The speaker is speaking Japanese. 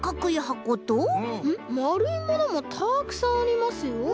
まるいものもたくさんありますよ。